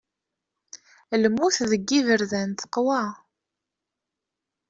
Lmut deg yiberdan teqwa.